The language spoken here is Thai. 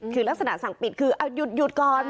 คือลักษณะสั่งปิดคือเอาหยุดก่อน